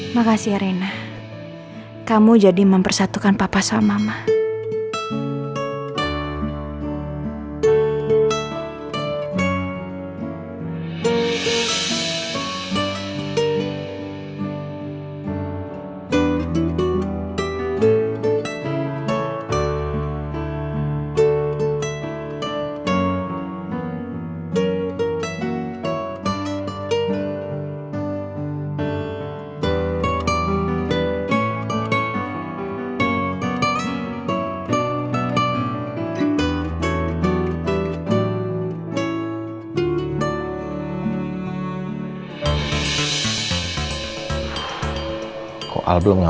makasih rena kamu jadi mempersatukan papa sama mama